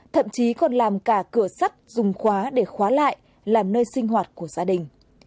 thậm chí còn làm cả cửa sắt dùng khóa để khóa lại làm nơi sinh hoạt của gia đình